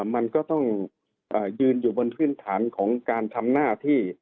มันก็ต้องยืนอยู่บนพื้นฐานของการทำหน้าที่